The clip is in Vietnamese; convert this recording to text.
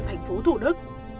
thành phố thủ đức